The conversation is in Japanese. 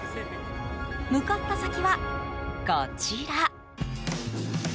向かった先は、こちら。